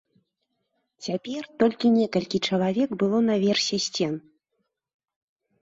Цяпер толькі некалькі чалавек было на версе сцен.